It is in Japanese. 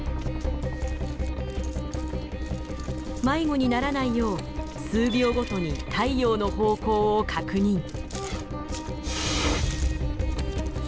迷子にならないよう数秒ごとに太陽の方向を確認。